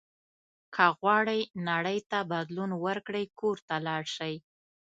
که غواړئ نړۍ ته بدلون ورکړئ کور ته لاړ شئ.